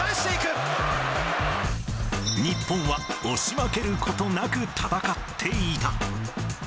日本は押し負けることなく戦っていた。